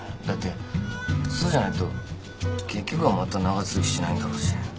だってそうじゃないと結局はまた長続きしないんだろうし。